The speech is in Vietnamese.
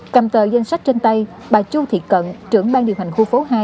cầm tờ danh sách trên tay bà chu thị cận trưởng ban điều hành khu phố hai